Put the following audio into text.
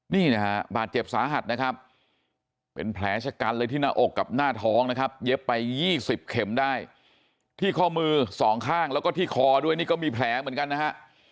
นี่นะฮะบาดเจ็บสาหัสนะครับเป็นแผลชะกันเลยที่หน้าอกกับหน้าท้องนะครับเย็บไป๒๐เข็มได้ที่ข้อมือสองข้างแล้วก็ที่คอด้วยนี่ก็มีแผลเหมือนกันนะฮะ